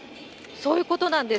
そういうことなんです。